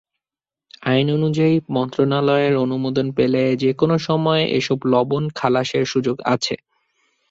আইন অনুযায়ী, মন্ত্রণালয়ের অনুমোদন পেলে যেকোনো সময় এসব লবণ খালাসের সুযোগ আছে।